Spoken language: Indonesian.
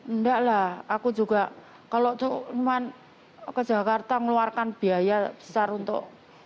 enggaklah aku juga kalau cuman ke jakarta ngeluarkan biaya besar untuk